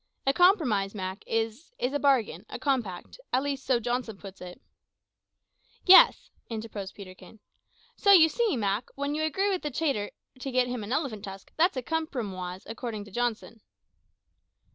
"A compromise, Mak, is is a bargain, a compact at least so Johnson puts it " "Yes," interposed Peterkin; "so you see, Mak, when you agree with a trader to get him an elephant tusk, that's a cumprumoise, according to Johnson."